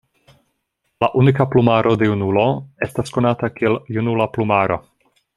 La unika plumaro de junulo estas konata kiel junula plumaro.